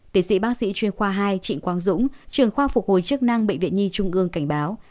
tiến sĩ bác sĩ chuyên khoa hai trịnh quang dũng trường khoa phục hồi chức năng bệnh viện nhi trung ương cảnh báo